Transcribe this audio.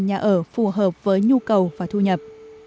nhà ở phù hợp với nhu cầu và thu nhập